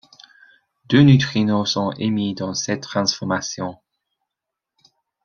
Deux neutrinos sont émis dans cette transformation.